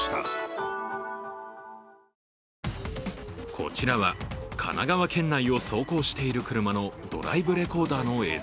こちらは神奈川県内を走行している車のドライブレコーダーの映像。